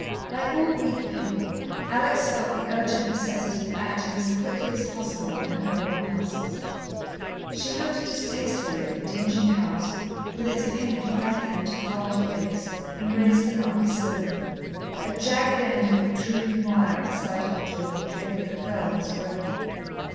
Like all weak people, Alex felt the urgent necessity of acting as quickly as possible on her own impulses. She looked distastefully at the dingy house, with its paint cracking into hard flakes, and raised the knocker slowly. A jagged end of protruding wire at the side of the door proclaimed that the bell was broken.